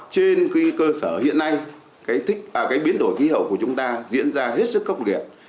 trên cái cơ sở hiện nay cái biến đổi khí hậu của chúng ta diễn ra hết sức cốc liệt